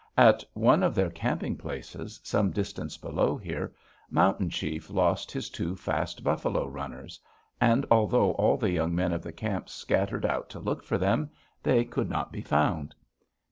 At one of their camping places some distance below here, Mountain Chief lost his two fast buffalo runners, and although all the young men of the camp scattered out to look for them, they could not be found.